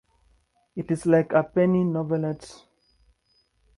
It’s like a penny novelette.